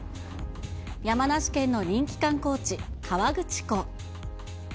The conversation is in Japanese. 山梨県の人気観光地、河口湖。